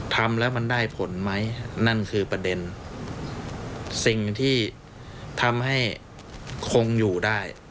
ทำแล้วมันได้ผลไหมนั่นคือประเด็นสิ่งที่ทำให้คงอยู่ได้